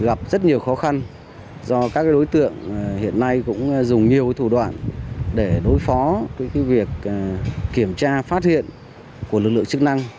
gặp rất nhiều khó khăn do các đối tượng hiện nay cũng dùng nhiều thủ đoạn để đối phó với việc kiểm tra phát hiện của lực lượng chức năng